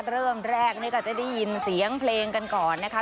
เริ่มแรกนี่ก็จะได้ยินเสียงเพลงกันก่อนนะคะ